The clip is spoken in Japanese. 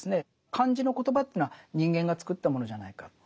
漢字の言葉というのは人間がつくったものじゃないかって。